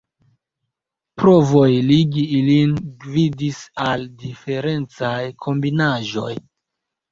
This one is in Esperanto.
Provoj ligi ilin gvidis al diferencaj kombinaĵoj.